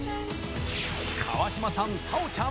川島さん、太鳳ちゃん